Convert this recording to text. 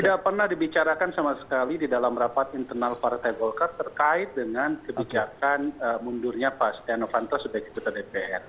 tidak pernah dibicarakan sama sekali di dalam rapat internal partai golkar terkait dengan kebijakan mundurnya pak setia novanto sebagai ketua dpr